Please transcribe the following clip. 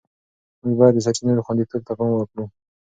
موږ باید د سرچینو خوندیتوب ته پام وکړو.